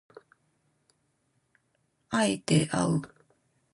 敢えてあう